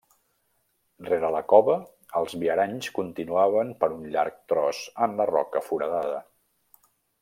Rere la cova els viaranys continuaven per un llarg tros en la roca foradada.